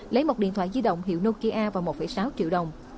lấy một điện thoại di động hiệu nokia và một sáu triệu đồng